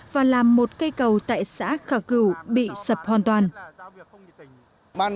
và làm một cây cầu tại xã khảo cửu bị sập hoàn toàn